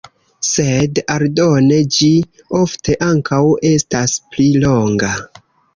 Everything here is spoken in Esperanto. Sed aldone ĝi ofte ankaŭ estas pli longa.